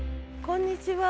こんにちは。